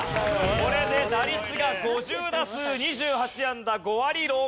これで打率が５０打数２８安打５割６分です。